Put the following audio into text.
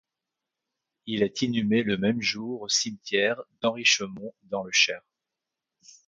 Il est inhumé le même jour au cimetière d'Henrichemont dans le Cher.